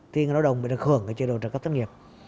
thì người lao động mới được hưởng trợ cấp thất nghiệp